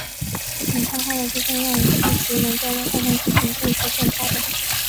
勇抗号的出现让剧集能在外太空进行故事线的发展。